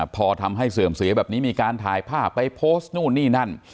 พอทำให้เสื่อมเสียแบบนี้มีการถ่ายภาพไปโพสต์นู่นนี่นั่น